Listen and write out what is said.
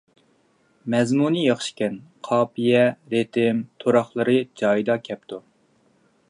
مەزمۇنى ياخشىكەن. قاپىيە، رىتىم، تۇراقلىرى جايىدا كەپتۇ.